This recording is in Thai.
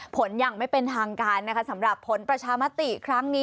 ผลยังไม่เป็นทางการสำหรับผลประชามตินี้